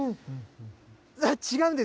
違うんです。